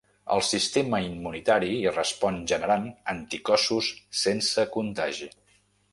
El sistema immunitari hi respon generant anticossos sense contagi.